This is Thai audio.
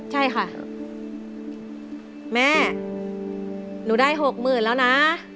ใช่ค่ะแม่หนูได้๖๐๐๐แล้วนะ